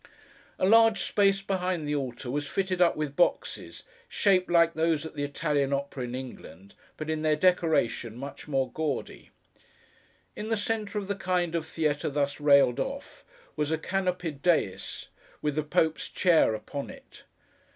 A large space behind the altar, was fitted up with boxes, shaped like those at the Italian Opera in England, but in their decoration much more gaudy. In the centre of the kind of theatre thus railed off, was a canopied dais with the Pope's chair upon it.